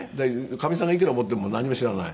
かみさんがいくら持ってるも何も知らない。